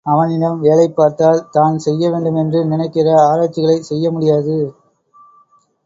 அவனிடம் வேலை பார்த்தால், தான் செய்ய வேண்டுமென்று நினைக்கிற ஆராய்ச்சிகளைச் செய்ய முடியாது.